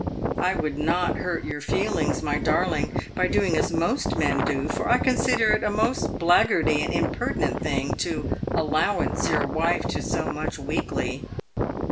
" I would not hurt your feelings, my darling, by doing as most men do, for I con sider it a most blackguardly and impertinent thing to allowance your wife to so much weekly.